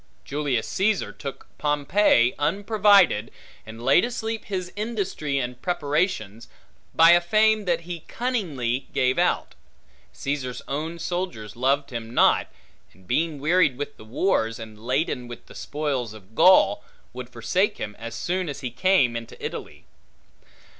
Julius Caesar took Pompey unprovided, and laid asleep his industry and preparations, by a fame that he cunningly gave out: Caesar's own soldiers loved him not, and being wearied with the wars, and laden with the spoils of Gaul, would forsake him, as soon as he came into Italy.